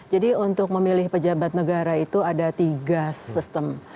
jadi untuk memilih pejabat negara itu ada tiga sistem